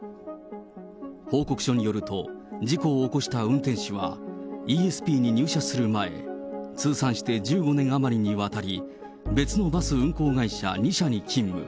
報告書によると、事故を起こした運転手は、イーエスピーに入社する前、通算して１５年余りにわたり、別のバス運行会社２社に勤務。